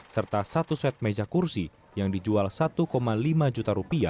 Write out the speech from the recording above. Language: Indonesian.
serta satu set meja kursi yang dijual rp satu lima juta